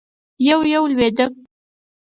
يو- يو لوېده.